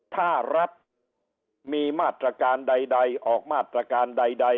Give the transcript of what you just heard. ถ้ารัฐมีมาตรการใดออกมาตรการใด